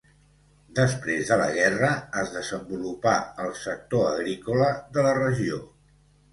Després de la guerra es desenvolupà el sector agrícola de la regió.